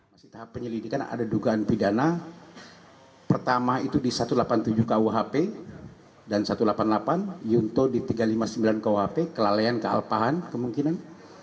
masih tahap penyelidikan ada dugaan pidana pertama itu di satu ratus delapan puluh tujuh kuhp dan satu ratus delapan puluh delapan yunto di tiga ratus lima puluh sembilan kuhp kelalaian kealpahan kemungkinan